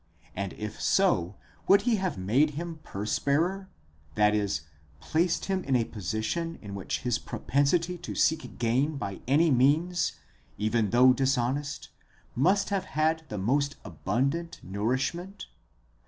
And, if so, would he have made him purse bearer, i.e. placed him in a position in which his propensity to seek gain by any means, even though dishonest, must have had the most abundant nourishment?